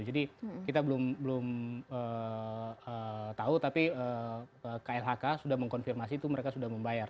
jadi kita belum tahu tapi klhk sudah mengkonfirmasi itu mereka sudah membayar